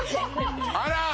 あら！